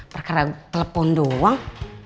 perkara telepon doang